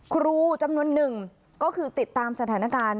ครูจำนวนหนึ่งก็คือติดตามสถานการณ์